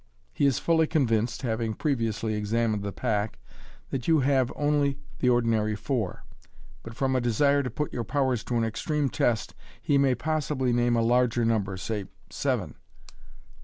'* He is fully convinced, having previously examined the pack, that you have only the ordinary four , but, from a desire to put your powers to an extreme test, he may possibly name a larger number — say, seven.